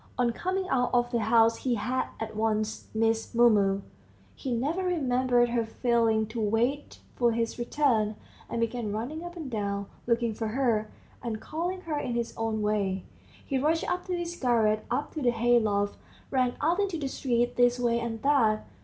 On coming out of the house he had at once missed Mumu. He never remembered her failing to wait for his return, and began running up and down, looking for her, and calling her in his own way. ... He rushed up to his garret, up to the hay loft, ran out into the street, this way and that.